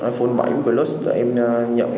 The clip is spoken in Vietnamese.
iphone bảy plus để em nhận